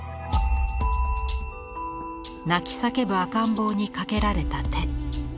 泣き叫ぶ赤ん坊にかけられた手。